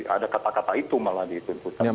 ada kata kata itu malah dituntutkan